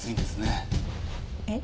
えっ？